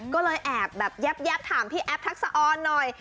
ก็เลยแอบแบบแยบถามพี่แอฟทักษะออนหน่อย